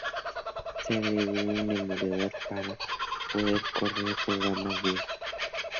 Se agregó un emulador para poder correr programas viejos.